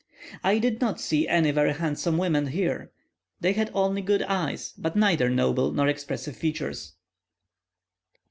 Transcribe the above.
I did not see any very handsome women here; they had only good eyes, but neither noble nor expressive features.